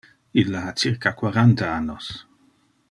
Ille ha circa quaranta annos.